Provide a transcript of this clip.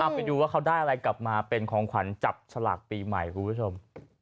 ไปดูว่าเขาได้อะไรกลับมาเป็นของขวัญจับฉลากปีใหม่คุณผู้ชม